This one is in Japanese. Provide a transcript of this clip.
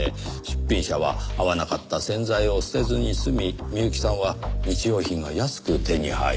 出品者は合わなかった洗剤を捨てずに済み美由紀さんは日用品が安く手に入る。